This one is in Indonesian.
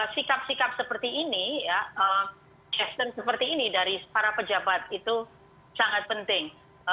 sikap sikap seperti ini ya cashtag seperti ini dari para pejabat itu sangat penting